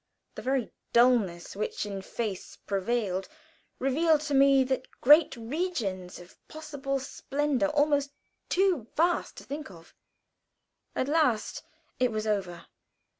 The very dullness which in face prevailed revealed to me great regions of possible splendor, almost too vast to think of. At last it was over.